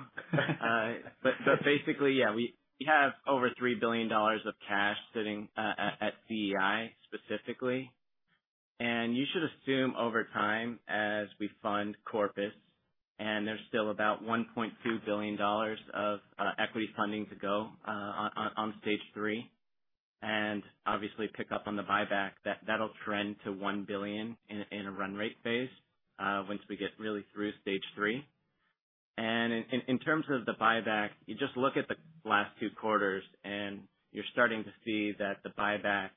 But basically, yeah, we have over $3 billion of cash sitting at CEI specifically, and you should assume over time, as we fund Corpus, and there's still about $1.2 billion of equity funding to go on Stage 3, and obviously pick up on the buyback, that'll trend to $1 billion in a run rate phase once we get really through Stage 3. And in terms of the buyback, you just look at the last two quarters and you're starting to see that the buyback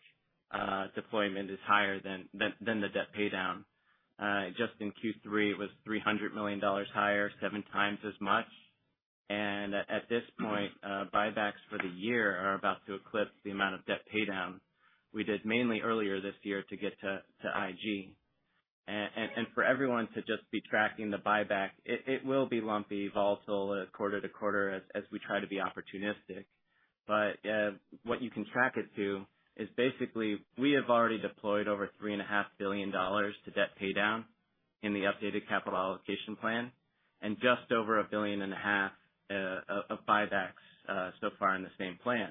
deployment is higher than the debt paydown. Just in Q3, it was $300 million higher, seven times as much. And at this point, buybacks for the year are about to eclipse the amount of debt paydown we did mainly earlier this year to get to IG. And for everyone to just be tracking the buyback, it will be lumpy, volatile quarter to quarter as we try to be opportunistic but what you can track it to is basically, we have already deployed over $3.5 billion to debt paydown in the updated capital allocation plan, and just over $1.5 billion of buybacks so far in the same plan.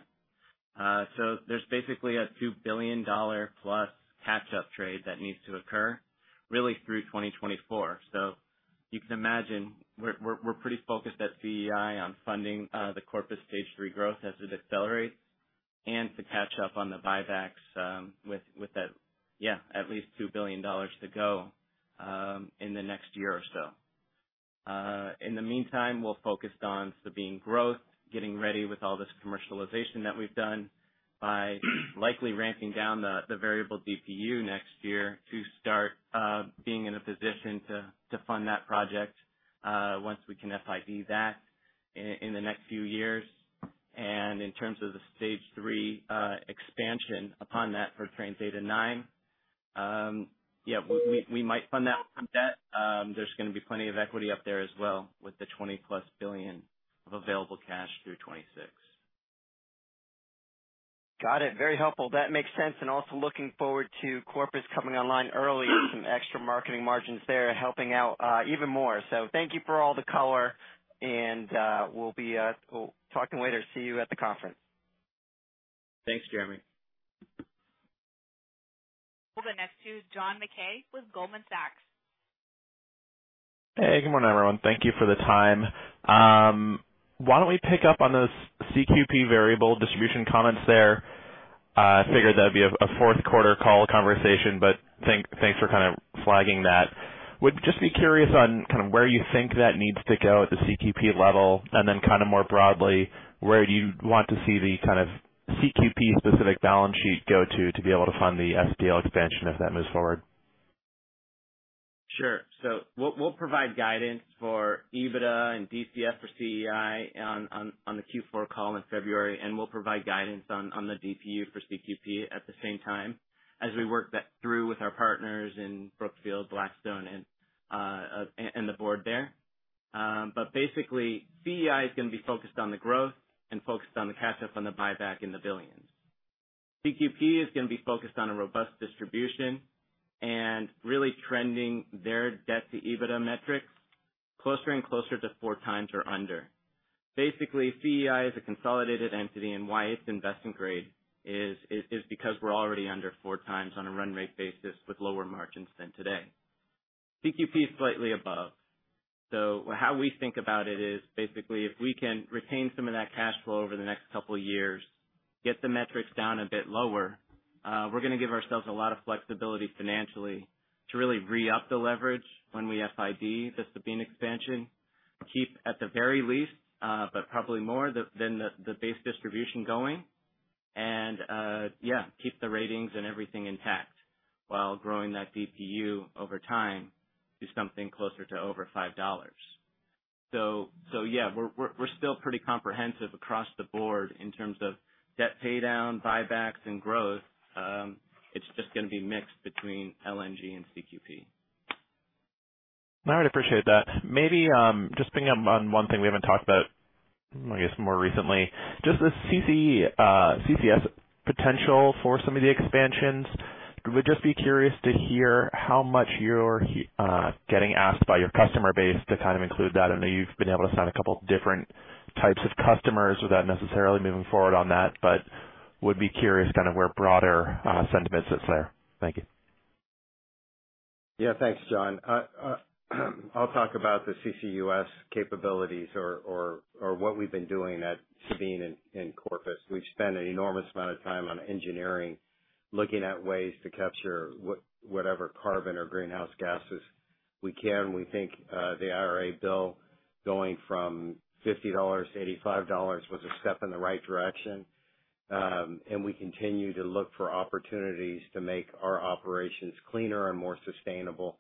So there's basically a $2 billion plus catch-up trade that needs to occur really through 2024. So you can imagine, we're pretty focused at CEI on funding the Corpus Stage 3 growth as it accelerates, and to catch up on the buybacks, with that, yeah, at least $2 billion to go, in the next year or so. In the meantime, we're focused on Sabine growth, getting ready with all this commercialization that we've done by likely ramping down the variable DPU next year to start being in a position to fund that project, once we can FID that in the next few years. And in terms of the Stage 3 expansion upon that for Trains 8 and 9, yeah, we might fund that with some debt. There's gonna be plenty of equity up there as well, with the $20+ billion of available cash through 2026. Got it. Very helpful. That makes sense, and also looking forward to Corpus coming online early, some extra marketing margins there, helping out, even more. So thank you for all the color, and, we'll be, we'll talk later. See you at the conference. Thanks, Jeremy. Well, the next to John Mackay with Goldman Sachs. Hey, good morning, everyone. Thank you for the time. Why don't we pick up on those CQP variable distribution comments there? I figured that'd be a fourth quarter call conversation, but thanks for kind of flagging that. Would just be curious on kind of where you think that needs to go at the CQP level, and then kind of more broadly, where do you want to see the kind of CQP-specific balance sheet go to, to be able to fund the SPL expansion, if that moves forward? Sure. So we'll provide guidance for EBITDA and DCF for CEI on the Q4 call in February, and we'll provide guidance on the DPU for CQP at the same time as we work that through with our partners in Brookfield, Blackstone, and the board there. But basically, CEI is gonna be focused on the growth and focused on the catch up on the buyback in the billions. CQP is gonna be focused on a robust distribution and really trending their debt to EBITDA metrics closer and closer to four times or under. Basically, CEI is a consolidated entity, and why it's investment grade is because we're already under four times on a run rate basis with lower margins than today. CQP is slightly above. So how we think about it is basically, if we can retain some of that cash flow over the next couple of years, get the metrics down a bit lower, we're gonna give ourselves a lot of flexibility financially to really re-up the leverage when we FID the Sabine expansion. Keep at the very least, but probably more than the base distribution going and, yeah, keep the ratings and everything intact while growing that DPU over time to something closer to over $5. So yeah, we're still pretty comprehensive across the board in terms of debt paydown, buybacks, and growth. It's just gonna be mixed between LNG and CQP. I would appreciate that. Maybe, just picking up on one thing we haven't talked about, I guess, more recently, just the CC, CCS potential for some of the expansions. Would just be curious to hear how much you're getting asked by your customer base to kind of include that? I know you've been able to sign a couple different types of customers without necessarily moving forward on that, but would be curious kind of where broader sentiment sits there? Thank you. Yeah, thanks, John. I'll talk about the CCUS capabilities or what we've been doing at Sabine and Corpus. We've spent an enormous amount of time on engineering, looking at ways to capture whatever carbon or greenhouse gases we can. We think the IRA bill going from $50-$85 was a step in the right direction. And we continue to look for opportunities to make our operations cleaner and more sustainable,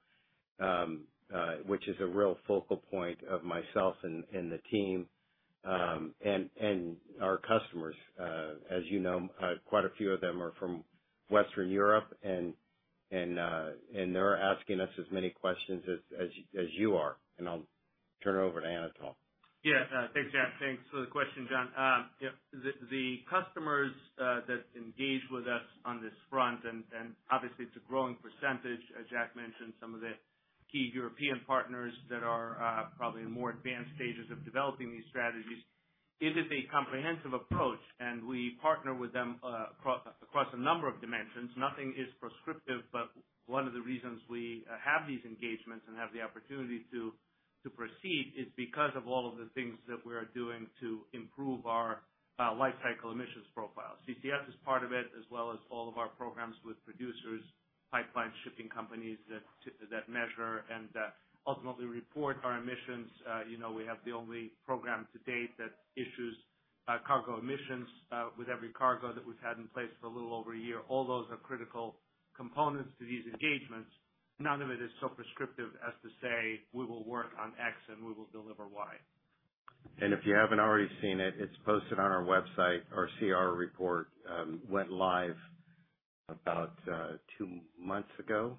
which is a real focal point of myself and the team and our customers. As you know, quite a few of them are from Western Europe and they're asking us as many questions as you are. And I'll turn it over to Anatol. Yeah. Thanks, Jack. Thanks for the question, John. Yeah, the customers that engage with us on this front and obviously, it's a growing percentage. As Jack mentioned, some of the key European partners that are probably in more advanced stages of developing these strategies. It is a comprehensive approach, and we partner with them across a number of dimensions. Nothing is prescriptive, but one of the reasons we have these engagements and have the opportunity to proceed is because of all of the things that we are doing to improve our lifecycle emissions profile. CCS is part of it, as well as all of our programs with producers, pipeline shipping companies that measure and ultimately report our emissions. You know, we have the only program to date that issues cargo emissions with every cargo that we've had in place for a little over a year. All those are critical components to these engagements. None of it is so prescriptive as to say: We will work on X and we will deliver Y. If you haven't already seen it, it's posted on our website. Our CR report went live about two months ago?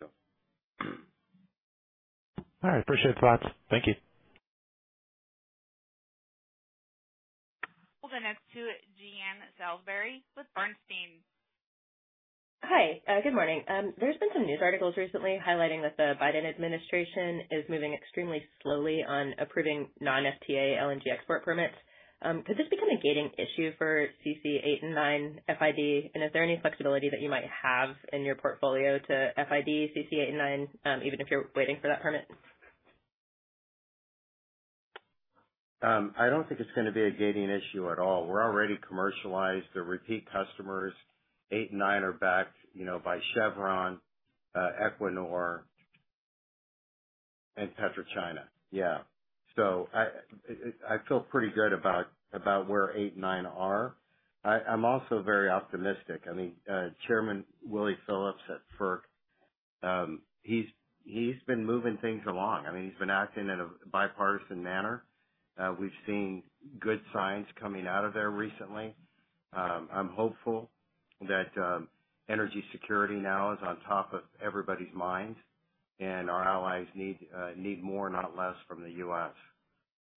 So All right, appreciate the thoughts. Thank you. We'll go next to Jean Ann Salisbury with Bernstein. Hi, good morning. There's been some news articles recently highlighting that the Biden administration is moving extremely slowly on approving non-FTA LNG export permits. Could this become a gating issue for CC 8 and 9 FID? And is there any flexibility that you might have in your portfolio to FID CC 8 and 9, even if you're waiting for that permit? I don't think it's going to be a gating issue at all. We're already commercialized. They're repeat customers. 8 and 9 are backed, you know, by Chevron, Equinor, and PetroChina. Yeah. So I feel pretty good about where 8 and 9 are. I'm also very optimistic. I mean, Chairman Willie Phillips at FERC, he's been moving things along. I mean, he's been acting in a bipartisan manner. We've seen good signs coming out of there recently. I'm hopeful that energy security now is on top of everybody's mind, and our allies need more, not less, from the U.S.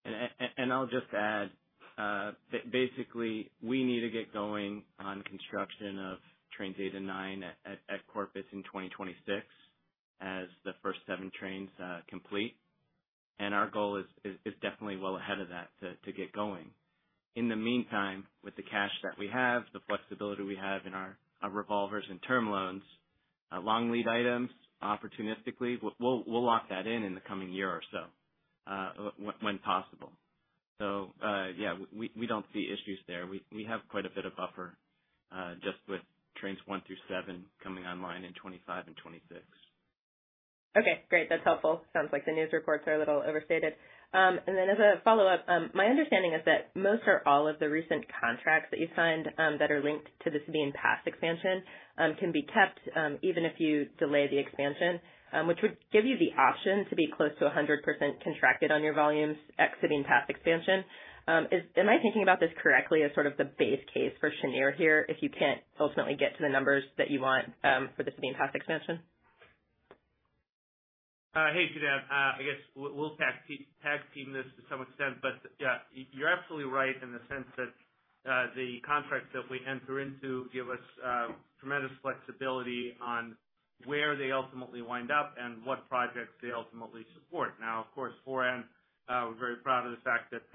And, and I'll just add, that basically we need to get going on construction of Trains 8 and 9 at, at Corpus in 2026, as the first 7 trains, complete. And our goal is, is definitely well ahead of that to, to get going. In the meantime, with the cash that we have, the flexibility we have in our, our revolvers and term loans, long lead items, opportunistically, we'll, we'll lock that in in the coming year or so, when possible. So, yeah, we, we don't see issues there. We, we have quite a bit of buffer, just with Trains 1 through 7 coming online in 2025 and 2026. Okay, great. That's helpful. Sounds like the news reports are a little overstated. And then as a follow-up, my understanding is that most or all of the recent contracts that you've signed, that are linked to the Sabine Pass expansion, can be kept, even if you delay the expansion, which would give you the option to be close to 100% contracted on your volumes at Sabine Pass expansion. Am I thinking about this correctly as sort of the base case for Cheniere here, if you can't ultimately get to the numbers that you want for the Sabine Pass expansion? Hey, Jean, I guess we'll tag team this to some extent, but yeah, you're absolutely right in the sense that the contracts that we enter into give us tremendous flexibility on where they ultimately wind up and what projects they ultimately support. Now, of course, Foran, we're very proud of the fact that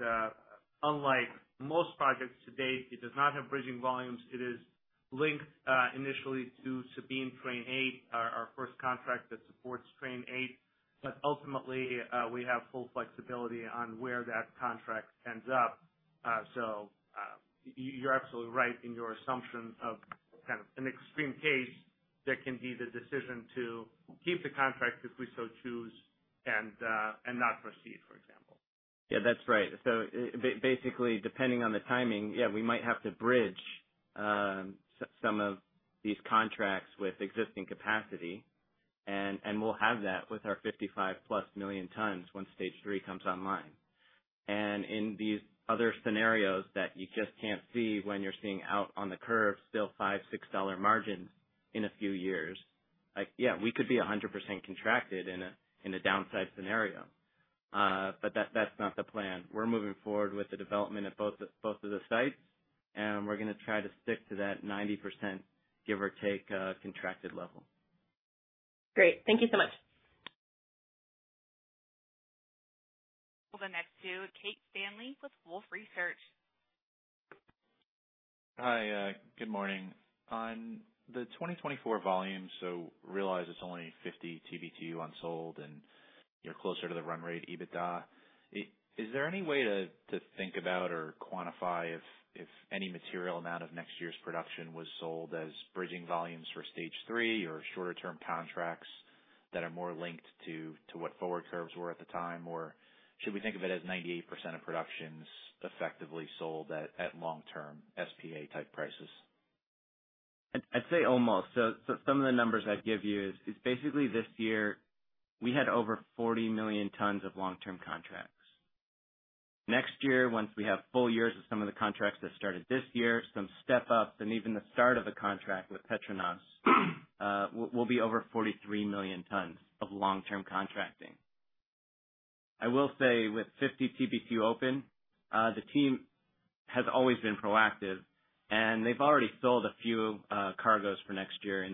unlike most projects to date, it does not have bridging volumes. It is linked initially to Sabine Pass Train 8, our first contract that supports Train 8. But ultimately, we have full flexibility on where that contract ends up. So, you're absolutely right in your assumption of kind of an extreme case. There can be the decision to keep the contract if we so choose, and not proceed, for example. Yeah, that's right. So basically, depending on the timing, yeah, we might have to bridge some of these contracts with existing capacity, and we'll have that with our 55+ million tons once Stage 3 comes online. And in these other scenarios that you just can't see when you're seeing out on the curve, still $5-$6 margins in a few years, like, yeah, we could be 100% contracted in a downside scenario. But that's not the plan. We're moving forward with the development of both of the sites, and we're going to try to stick to that 90%, give or take, contracted level. Great. Thank you so much. We'll go next to Keith Stanley with Wolfe Research. Hi, good morning. On the 2024 volume, so realize it's only 50 TBtu unsold and you're closer to the run rate, EBITDA. Is there any way to think about or quantify if any material amount of next year's production was sold as bridging volumes for Stage 3 or shorter term contracts that are more linked to what forward curves were at the time? Or should we think of it as 98% of production's effectively sold at long-term SPA type prices? I'd, I'd say almost. So, so some of the numbers I'd give you is basically this year we had over 40 million tons of long-term contracts. Next year, once we have full years of some of the contracts that started this year, some step up, and even the start of the contract with Petronas, will be over 43 million tons of long-term contracting. I will say, with 50 TBtu open, the team has always been proactive, and they've already sold a few, cargoes for next year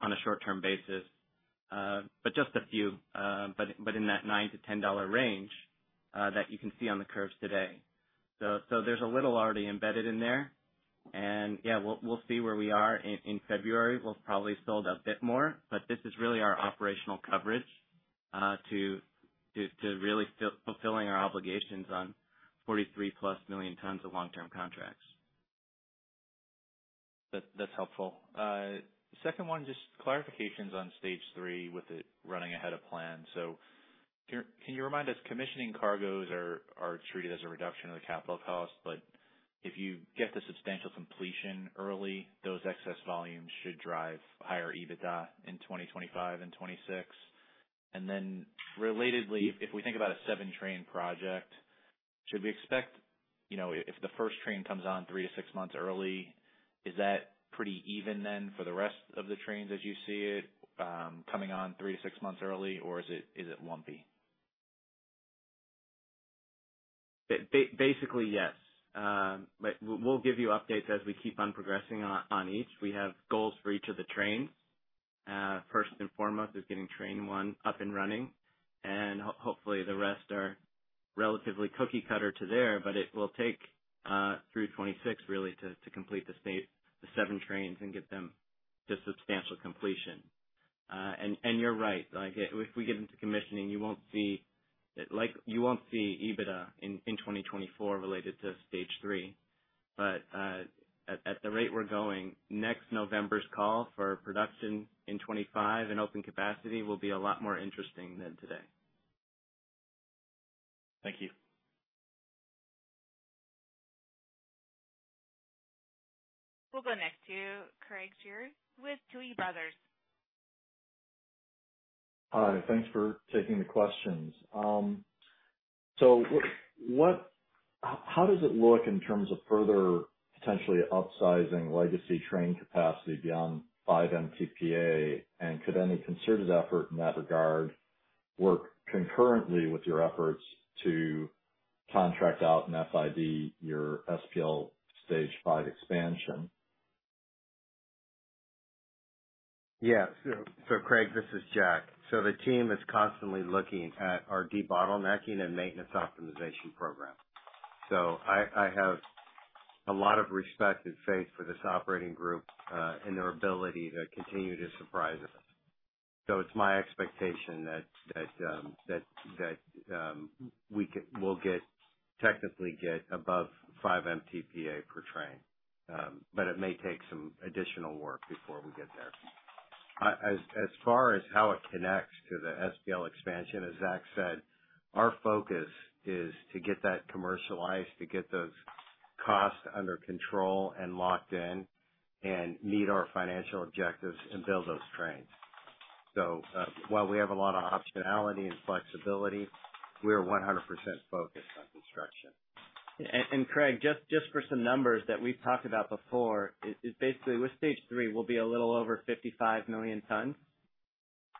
on a short-term basis, but just a few, but, but in that $9-$10 range, that you can see on the curves today. So, so there's a little already embedded in there. And, yeah, we'll, we'll see where we are in, in February. We'll probably sold a bit more, but this is really our operational coverage, to really fulfilling our obligations on 43+ million tons of long-term contracts. That, that's helpful. Second one, just clarifications on Stage 3 with it running ahead of plan. So can you remind us, commissioning cargoes are treated as a reduction in the capital cost, but if you get to substantial completion early, those excess volumes should drive higher EBITDA in 2025 and 2026. And then, relatedly, if we think about a 7-train project... Should we expect, you know, if the first train comes on 3-6 months early, is that pretty even then for the rest of the trains as you see it, coming on 3-6 months early, or is it, is it lumpy? Basically, yes. But we'll give you updates as we keep on progressing on each. We have goals for each of the trains. First and foremost is getting Train 1 up and running, and hopefully the rest are relatively cookie cutter to there. But it will take through 2026 really to complete the 7 trains and get them to substantial completion. And you're right, like if we get into commissioning, you won't see EBITDA in 2024 related to Stage 3. But at the rate we're going, next November's call for production in 2025 and open capacity will be a lot more interesting than today. Thank you. We'll go next to Craig Shere with Tuohy Brothers. Hi, thanks for taking the questions. How does it look in terms of further potentially upsizing legacy train capacity beyond five mtpa? Could any concerted effort in that regard work concurrently with your efforts to contract out and FID your SPL Stage 5 expansion? Yeah. So Craig, this is Jack. So the team is constantly looking at our debottlenecking and maintenance optimization program. So I have a lot of respect and faith for this operating group, and their ability to continue to surprise us. So it's my expectation that we'll get, technically get above 5 mtpa per train, but it may take some additional work before we get there. As far as how it connects to the SPL expansion, as Zach said, our focus is to get that commercialized, to get those costs under control and locked in, and meet our financial objectives and build those trains. So while we have a lot of optionality and flexibility, we are 100% focused on construction. Craig, for some numbers that we've talked about before, basically with Stage 3, we'll be a little over 55 million tons,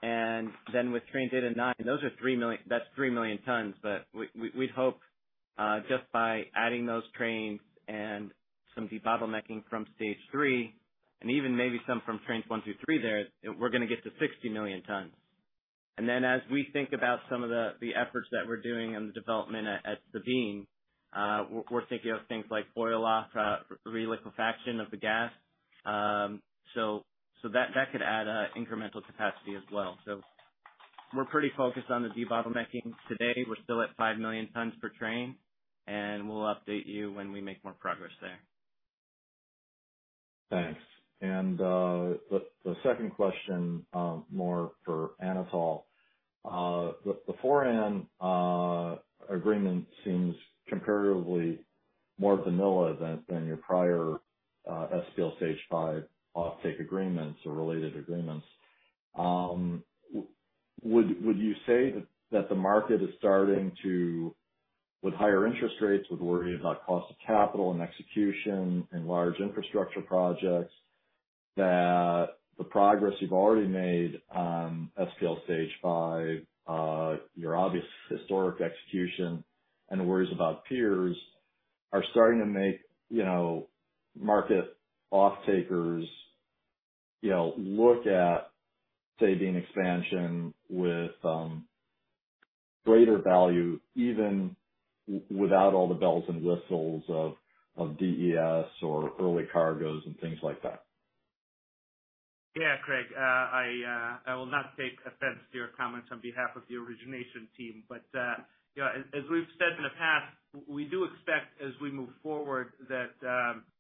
and then with Trains 8 and 9, those are 3 million—that's 3 million tons. But we'd hope, just by adding those trains and some debottlenecking from Stage 3, and even maybe some from Trains 1 through 3 there, we're going to get to 60 million tons. And then as we think about some of the efforts that we're doing in the development at Sabine, we're thinking of things like boil off, reliquefaction of the gas. So that could add incremental capacity as well. So we're pretty focused on the debottlenecking today. We're still at 5 million tons per train, and we'll update you when we make more progress there. Thanks. And, the second question, more for Anatol. The Foran agreement seems comparatively more vanilla than your prior SPL Stage 5 offtake agreements or related agreements. Would you say that the market is starting to—With higher interest rates, with worry about cost of capital and execution and large infrastructure projects, that the progress you've already made on SPL Stage 5, your obvious historic execution and worries about peers are starting to make, you know, market offtakers, you know, look at Sabine expansion with greater value, even without all the bells and whistles of DES or early cargoes and things like that? Yeah, Craig, I will not take offense to your comments on behalf of the origination team, but, you know, as we've said in the past, we do expect as we move forward, that,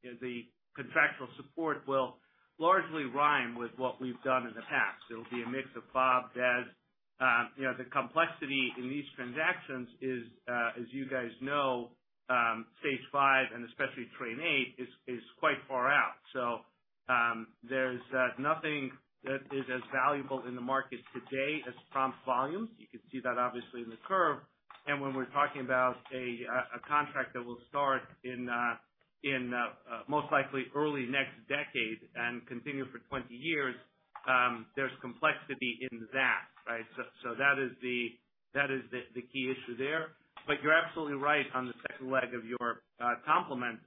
you know, the contractual support will largely rhyme with what we've done in the past. It'll be a mix of FOB, DES. You know, the complexity in these transactions is, as you guys know, Stage 5 and especially Train 8, is quite far out. So, there's nothing that is as valuable in the market today as prompt volumes. You can see that obviously in the curve. And when we're talking about a contract that will start in, most likely early next decade and continue for 20 years, there's complexity in that, right? So that is the key issue there. But you're absolutely right on the second leg of your compliment.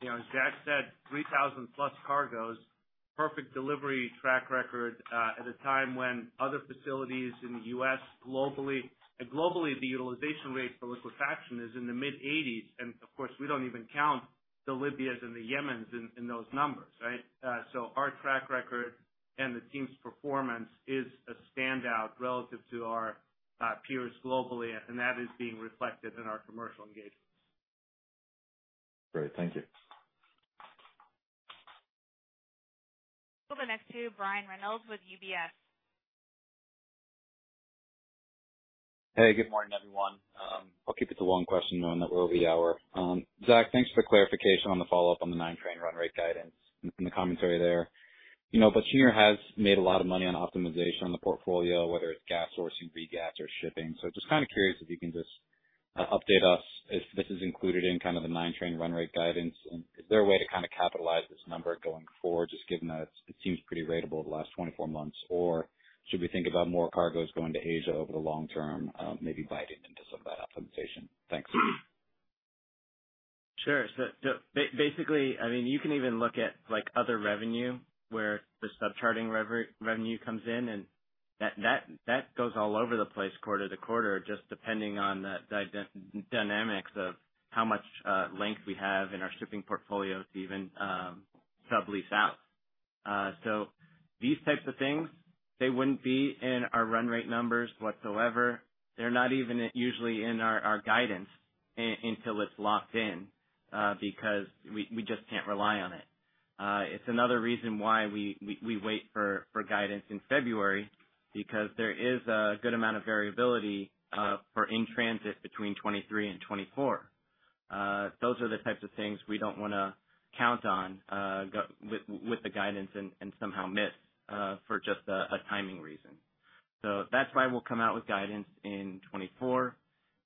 You know, as Jack said, 3,000+ cargoes, perfect delivery track record, at a time when other facilities in the US, globally, the utilization rate for liquefaction is in the mid-80s%. And of course, we don't even count the Libyas and the Yemens in those numbers, right? So our track record and the team's performance is a standout relative to our peers globally, and that is being reflected in our commercial engagements. Great. Thank you. We'll go next to Brian Reynolds with UBS. Hey, good morning, everyone. I'll keep it to one question on the Q&A hour. Zach, thanks for clarification on the follow-up on the 9-train run rate guidance and the commentary there. You know, but Cheniere has made a lot of money on optimization on the portfolio, whether it's gas sourcing, regas or shipping. So just kind of curious if you can just update us if this is included in kind of the 9-train run rate guidance, and is there a way to kind of capitalize this number going forward, just given that it seems pretty ratable over the last 24 months? Or should we think about more cargoes going to Asia over the long term, maybe biting into some of that optimization? Thanks. Sure. So, basically, I mean, you can even look at like other revenue where the subchartering revenue comes in, and that, that, that goes all over the place quarter to quarter, just depending on the dynamics of how much length we have in our shipping portfolios to even sublease out. So these types of things, they wouldn't be in our run rate numbers whatsoever. They're not even usually in our guidance until it's locked in, because we wait for guidance in February, because there is a good amount of variability for in transit between 2023 and 2024. Those are the types of things we don't want to count on with the guidance and somehow miss for just a timing reason. So that's why we'll come out with guidance in 2024,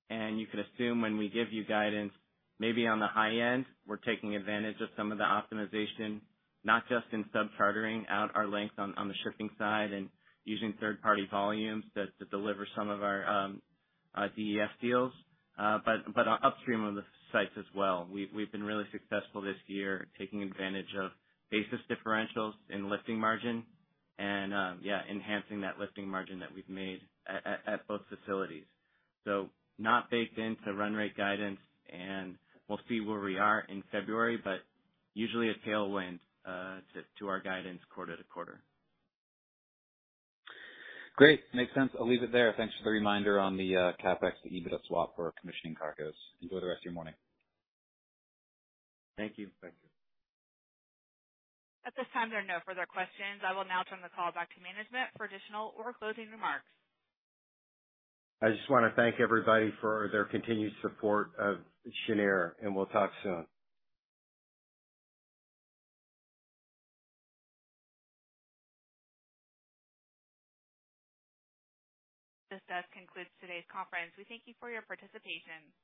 and you can assume when we give you guidance, maybe on the high end, we're taking advantage of some of the optimization, not just in subchartering out our fleet on the shipping side and using third-party volumes to deliver some of our DES deals. But upstream of the sites as well, we've been really successful this year taking advantage of basis differentials in lifting margin and enhancing that lifting margin that we've made at both facilities. So not baked into run rate guidance, and we'll see where we are in February, but usually a tailwind to our guidance quarter to quarter. Great. Makes sense. I'll leave it there. Thanks for the reminder on the CapEx to EBITDA swap for commissioning cargoes. Enjoy the rest of your morning. Thank you. Thank you. At this time, there are no further questions. I will now turn the call back to management for additional or closing remarks. I just want to thank everybody for their continued support of Cheniere, and we'll talk soon. This does conclude today's conference. We thank you for your participation.